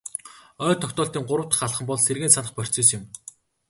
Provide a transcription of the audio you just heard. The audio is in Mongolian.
Ой тогтоолтын гурав дахь алхам бол сэргээн санах процесс юм.